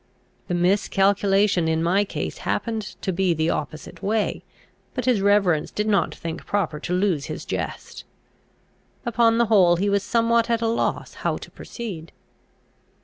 The miscalculation in my case happened to be the opposite way, but his reverence did not think proper to lose his jest. Upon the whole, he was somewhat at a loss how to proceed.